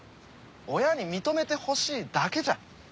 親に認めてほしいだけじゃん。